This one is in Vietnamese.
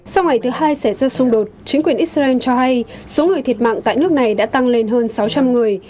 sau ngày thứ hai xảy ra xung đột chính quyền israel cho hay số người thiệt mạng tại nước này đã tăng lên hơn sáu trăm linh người